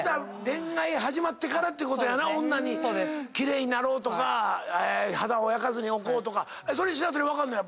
恋愛始まってからってことやな女に奇麗になろうとか肌を焼かずにおこうとかそれ白鳥分かるの？